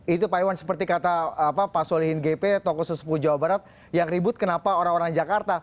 itu pak iwan seperti kata pak solihin gp tokoh sesepuh jawa barat yang ribut kenapa orang orang jakarta